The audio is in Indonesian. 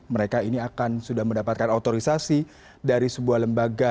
mereka ini akan sudah mendapatkan otorisasi dari sebuah lembaga